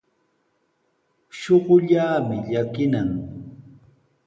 Shuqullaami llakinan.